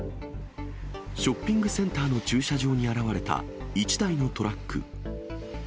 ショッピングセンターの駐車場に現れた一台のトラック。